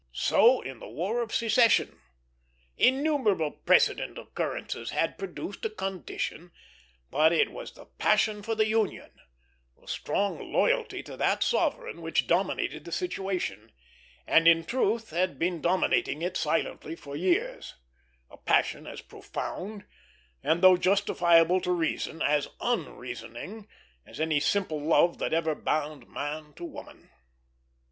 So in the War of Secession. Innumerable precedent occurrences had produced a condition, but it was the passion for the Union, the strong loyalty to that sovereign, which dominated the situation, and in truth had been dominating it silently for years; a passion as profound and, though justifiable to reason, as unreasoning as any simple love that ever bound man to woman.